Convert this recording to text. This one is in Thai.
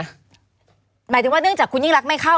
หมายถึงว่าเนื่องจากคุณยิ่งรักไม่เข้า